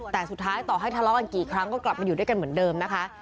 แต่สุดท้ายต่อให้ทะเลาะกันกี่ครั้งก็กลับมาอยู่ด้วยกันเหมือนเดิมนะคะ